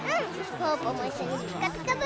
ぽぅぽもいっしょに「ピカピカブ！」